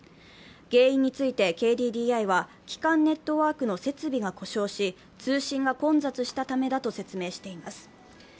原因についてＫＤＤＩは、機関ネットワークの設備が故障し、通信が混雑したためだと説明しています。